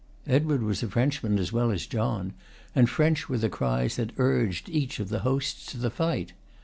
Edward was a Frenchman as well as John, and French were the cries that urged each of the hosts to the fight.